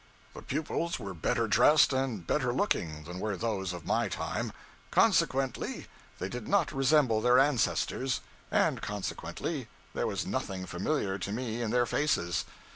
The pupils were better dressed and better looking than were those of my time; consequently they did not resemble their ancestors; and consequently there was nothing familiar to me in their faces.